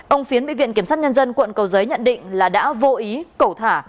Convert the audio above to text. ông phiến bị viện kiểm sát nhân dân quận cầu giấy nhận định là đã vô ý cẩu thả